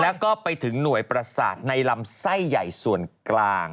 แล้วก็ไปถึงหน่วยประสาทในลำไส้ใหญ่ส่วนกลาง